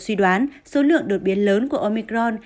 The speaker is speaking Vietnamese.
suy đoán số lượng đột biến lớn của omicron